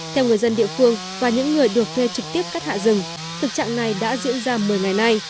theo người dân địa phương và những người được thuê trực tiếp cắt hạ rừng thực trạng này đã diễn ra một mươi ngày nay